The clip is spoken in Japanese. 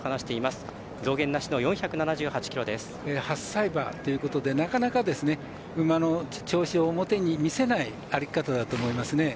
８歳馬ということでなかなか馬の調子を表に見せない歩き方だと思いますね。